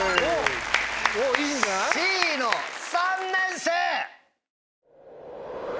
Ｃの３年生！